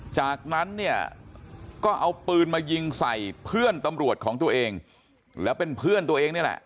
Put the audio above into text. จากนั้นเนี่ยก็เอาปืนมายิงใส่เพื่อนตำรวจของตัวเองแล้วเป็นเพื่อนตัวเองนี่แหละ